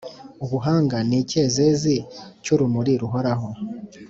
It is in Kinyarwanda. Ubuhanga ni icyezezi cy’urumuri ruhoraho,